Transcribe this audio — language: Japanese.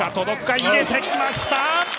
入れてきました。